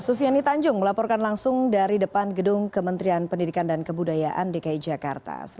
sufiani tanjung melaporkan langsung dari depan gedung kementerian pendidikan dan kebudayaan dki jakarta